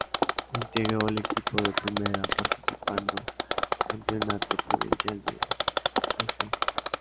Integró el Equipo de Primera Participando Campeonato Provincial de Bs.